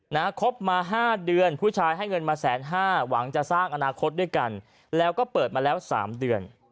คบมาห้าเดือนผู้ชายให้เงินมาแสนห้าหวังจะสร้างอนาคตด้วยกันแล้วก็เปิดมาแล้วสามเดือน